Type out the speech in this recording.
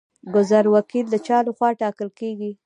ګذر وکیل د چا لخوا ټاکل کیږي؟